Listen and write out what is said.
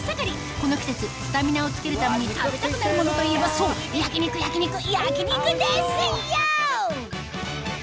この季節スタミナをつけるために食べたくなるものといえばそう焼肉焼肉焼肉ですよ！